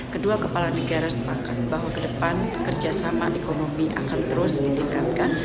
kedua kepala negara sepakat bahwa ke depan kerjasama ekonomi akan terus ditingkatkan